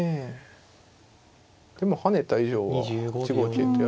でも跳ねた以上は８五桂とやると。